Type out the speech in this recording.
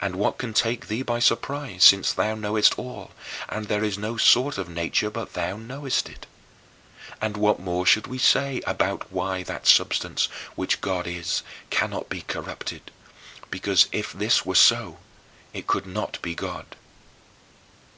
And what can take thee by surprise, since thou knowest all, and there is no sort of nature but thou knowest it? And what more should we say about why that substance which God is cannot be corrupted; because if this were so it could not be God?